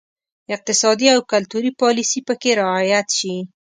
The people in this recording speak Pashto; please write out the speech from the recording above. اقتصادي او کلتوري پالیسي پکې رعایت شي.